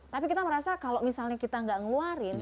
tapi kita merasa kalau misalnya kita nggak ngeluarin